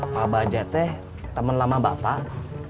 apa aja teh temen lama bapak